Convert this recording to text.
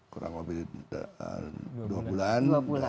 kurang lebih dua bulan